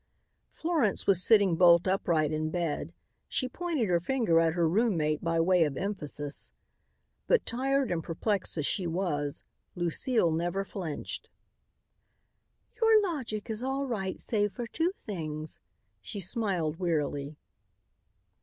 Florence was sitting bolt upright in bed. She pointed her finger at her roommate by way of emphasis. But, tired and perplexed as she was, Lucile never flinched. "Your logic is all right save for two things," she smiled wearily.